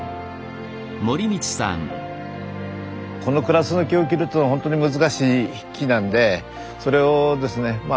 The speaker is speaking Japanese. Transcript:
このクラスの木を切るというのはほんとに難しい木なんでそれをですねまあ